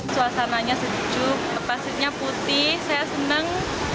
suasananya sejuk pasirnya putih saya senang